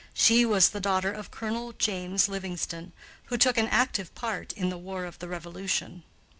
She was the daughter of Colonel James Livingston, who took an active part in the War of the Revolution.